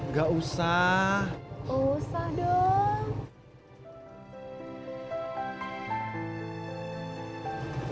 nggak usah usah dong